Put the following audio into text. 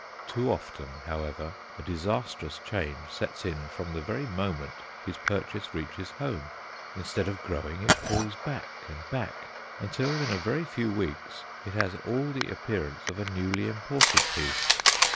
Too often, however, a disastrous change sets in from the very moment his purchase reaches home. Instead of growing it falls back and back, until in a very few weeks it has all the appearance of a newly imported piece.